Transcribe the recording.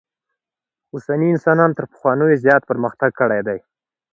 اوسني انسانانو تر پخوانیو زیات پرمختک کړی دئ.